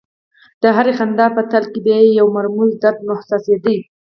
د هرې خندا په تل کې به یې یو مرموز درد محسوسېده